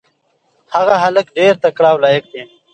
هغه هلک ډېر تکړه او لایق دی.